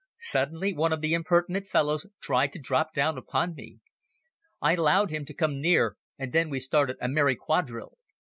Suddenly one of the impertinent fellows tried to drop down upon me. I allowed him to come near and then we started a merry quadrille.